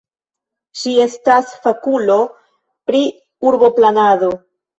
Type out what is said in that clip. Ŝi estas fakulo pri urboplanado.